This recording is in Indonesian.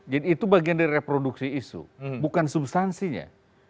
jadi itu bagian dari reproduksi isu bukan substansinya